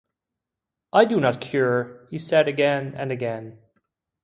"I do not cure," he said again and again.